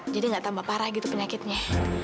jadi gak tambah parah gitu penyakitnya